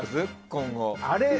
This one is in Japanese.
今後。